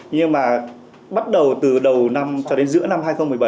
nhưng mà bắt đầu từ đầu năm cho đến giữa năm hai nghìn một mươi bảy